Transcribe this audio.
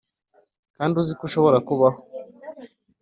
kandi uzi ko ushobora kubaho